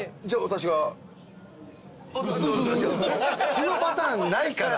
このパターンないから。